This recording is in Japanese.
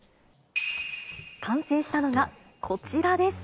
完成したのがこちらです。